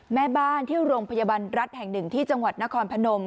แม่บ้านที่โรงพยาบาลรัฐแห่งหนึ่งที่จังหวัดนครพนม